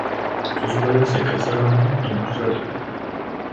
Sus padres se casaron en Australia.